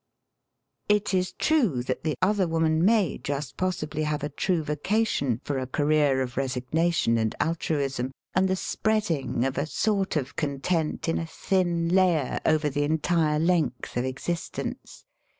(It is true that the other woman may just pos sibly have a true vo3ation for a career of resig nation and altruism, and the spreading of a sort of content in a tliin layer over the entire length of existence.